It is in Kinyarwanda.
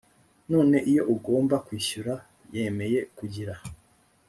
none iyo ugomba kwishyura yemeye kugira